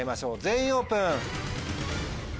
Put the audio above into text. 全員オープン！